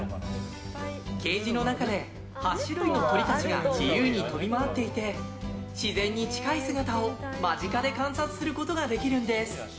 ケージの中で８種類の鳥たちが自由に飛び回っていて自然に近い姿を間近で観察することができるんです。